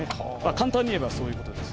簡単に言えばそういうことです。